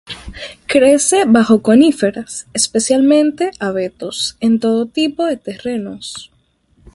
Crece bajo coníferas, especialmente abetos, en todo tipo de terrenos.